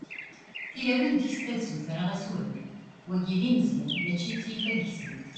tilawin deg-sent ad ssutreɣ asuref, wagi d inzi mačči t-tiyita deg-sent